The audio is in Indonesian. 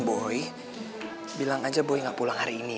katakan aja kakak tidak pulang hari ini